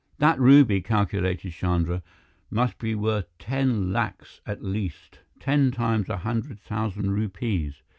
"That ruby," calculated Chandra, "must be worth ten lakhs at least, ten times a hundred thousand rupees.